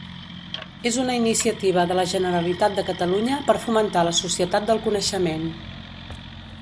És una iniciativa de la Generalitat de Catalunya per fomentar la societat del coneixement.